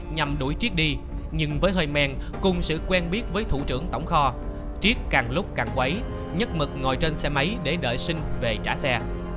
nhằm đuổi triết đi nhưng với hơi men cùng sự quen biết với thủ trưởng tổng kho triết càng lúc càng quấy nhất mực ngồi trên xe máy để đợi sinh về trả xe